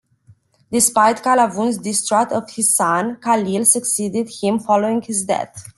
Despite Qalawun's distrust of his son, Khalil succeeded him following his death.